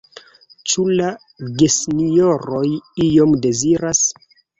Ĉu la gesinjoroj ion deziras?